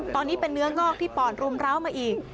ตอนนี้เป็นเนื้องอกที่ปอดรุมร้าวมาอีก